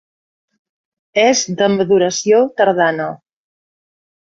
És de maduració tardana.